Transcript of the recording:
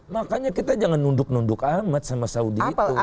makanya kita jangan nunduk nunduk amat sama saudi itu